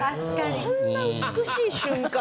こんな美しい瞬間。